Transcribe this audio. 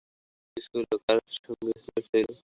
কিছুক্ষণ পরে জিজ্ঞাসা করিলেন, কার স্ত্রীর সঙ্গে পরিচয় হইল?